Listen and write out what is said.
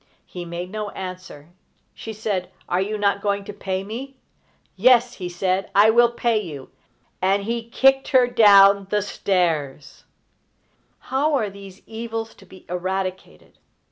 He made no answer. She said: "Are you not going to pay me?" "Yes," he said, "I will pay you;" and he kicked her down the stairs. How are these evils to be eradicated?